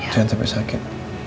jangan sampai sakit